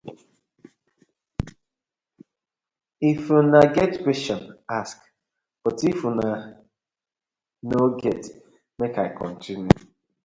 If una get question, ask but if una no get, mek I continue.